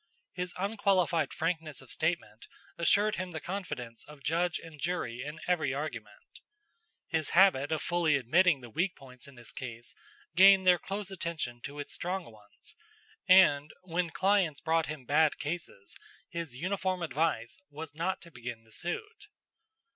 His unqualified frankness of statement assured him the confidence of judge and jury in every argument. His habit of fully admitting the weak points in his case gained their close attention to its strong ones, and when clients brought him bad cases, his uniform advice was not to begin the suit.